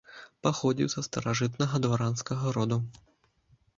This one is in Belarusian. Паходзіў са старажытнага дваранскага роду.